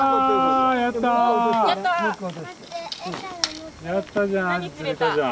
やったじゃん。